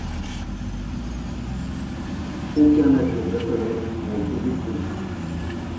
Aucun navires japonais n'a été détruit.